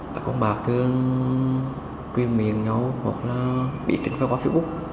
các con bạc thương quyên miệng nhau hoặc là bị tránh khỏi